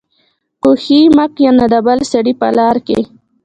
کوهي مه کينه دبل سړي په لار کي